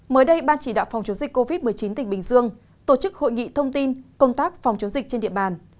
mới đây ban chỉ đạo phòng chống dịch covid một mươi chín tỉnh bình dương tổ chức hội nghị thông tin công tác phòng chống dịch trên địa bàn